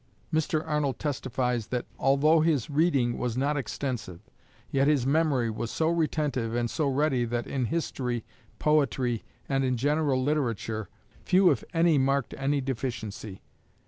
Mr. Arnold testifies that "although his reading was not extensive, yet his memory was so retentive and so ready that in history, poetry, and in general literature, few if any marked any deficiency.